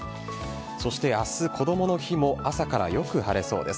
そして明日、こどもの日も朝からよく晴れそうです。